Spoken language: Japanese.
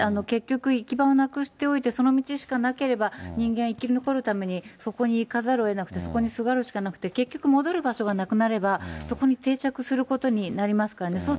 結局、行き場をなくしておいてその道しかなければ、人間生き残るためにそこに行かざるをえなくて、そこにすがるしかなくて、結局戻る場所がなくなればそこに定着することになりますからね。